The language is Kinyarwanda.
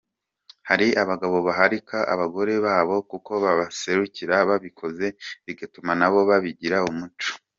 Hari abagabo baharika abagore babo kuko basekuru babikoze bigatuma nabo babigira umuco”.